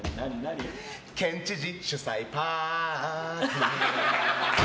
県知事主催パーティー！